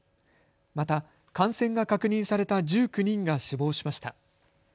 また感染が確認された１９人が死亡しました。